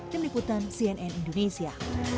dan meniputan cnn indonesia